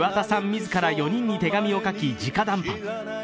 自ら４人に手紙を書きじか談判。